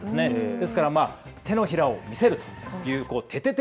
ですから手のひらを見せるというててて！